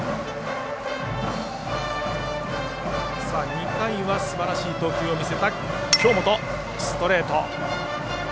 ２回はすばらしい投球を見せた京本。